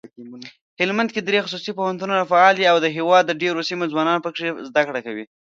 هلمندکې دري خصوصي پوهنتونونه فعال دي اودهیواد دډیروسیمو ځوانان پکښي زده کړه کوي.